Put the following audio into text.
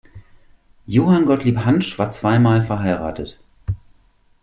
Johann Gottlieb Hantzsch war zweimal verheiratet.